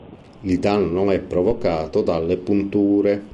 Il danno è provocato dalle punture.